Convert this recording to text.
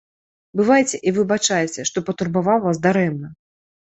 Бывайце і выбачайце, што патурбаваў вас дарэмна.